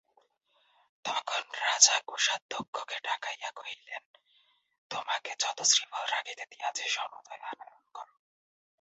তখন রাজা কোষাধ্যক্ষকে ডাকাইয়া কহিলেন, তোমাকে যত শ্রীফল রাখিতে দিয়াছি সমূদয় আনয়ন কর।